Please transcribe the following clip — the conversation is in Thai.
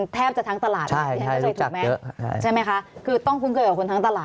เพราะเห็นหน้าตลอด